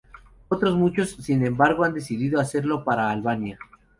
Otros muchos, sin embargo, han decidido hacerlo para Albania.